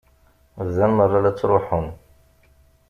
Bdan merra la ttruḥen.